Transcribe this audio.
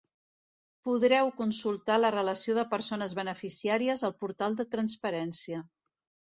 Podreu consultar la relació de persones beneficiàries al portal de transparència.